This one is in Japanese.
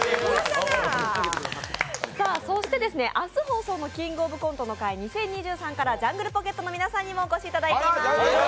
そして明日放送の「キングオブコントの会２０２３」から、ジャングルポケットの皆さんにもお越しいただいています。